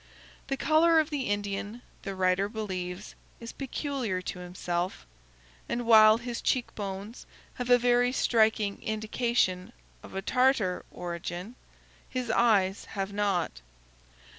The color of the Indian, the writer believes, is peculiar to himself, and while his cheek bones have a very striking indication of a Tartar origin, his eyes have not.